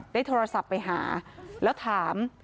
ได้โทรศัพท์ไปหาแล้วถาม